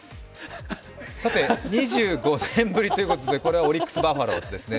２５年ぶりということで、これはオリックス・バファローズですね。